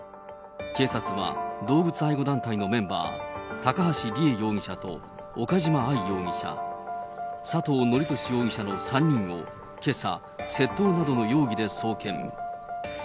警察は、動物愛護団体のメンバー、高橋里衣容疑者と岡島愛容疑者、佐藤徳壽容疑者の３人を、けさ、窃盗などの容疑で送検。